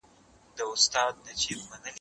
که وخت وي سبزیجات وچوم